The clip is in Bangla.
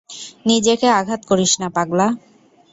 নিজেকে আঘাত করিস না, পাগলা।